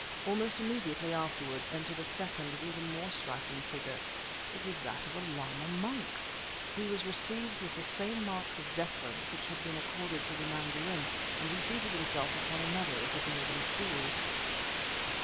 Almost immediately afterward entered a second and even more striking figure. It was that of a Lama monk! He was received with the same marks of deference which had been accorded the mandarin; and he seated himself upon another of the golden stools.